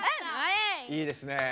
いいですね。